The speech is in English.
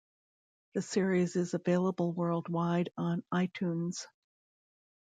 The series is available worldwide on iTunes.